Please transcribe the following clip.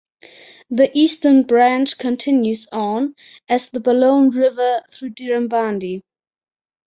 The eastern branch continues on as the Balonne River through Dirranbandi.